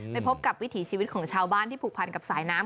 ไปพบกับวิถีชีวิตของชาวบ้านที่ผูกพันกับสายน้ำ